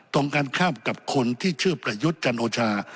ตรงกันข้ามกับคนที่ชื่อประยุทธ์จันโอชา